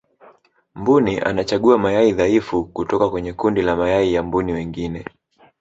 mbuni anachagua mayai dhaifu kutoka kwenye kundi la mayai ya mbuni wengine